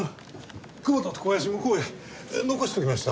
久保田と小林は向こうへ残しておきました。